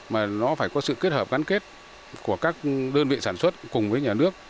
mà nó phải có sự kết hợp gắn kết của các đơn vị sản xuất cùng với nhà nước